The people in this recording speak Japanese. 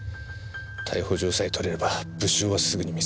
逮捕状さえ取れれば物証はすぐに見つかる。